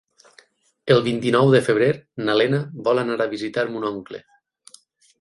El vint-i-nou de febrer na Lena vol anar a visitar mon oncle.